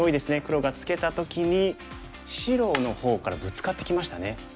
黒がツケた時に白の方からブツカってきましたね。